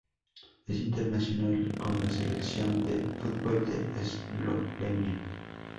Es internacional con la selección de fútbol de Eslovenia.